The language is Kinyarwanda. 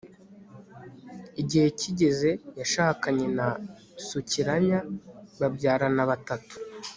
igihe kigeze, yashakanye na sukiranya, babyarana batatu